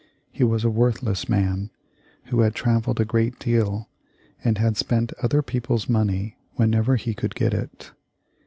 He was a worthless man, who had travelled a great deal, and had spent other people's money whenever he could get it.